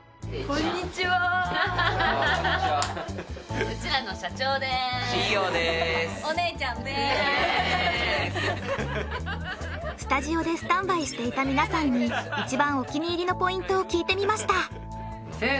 こんにちはスタジオでスタンバイしていた皆さんに一番お気に入りのポイントを聞いてみました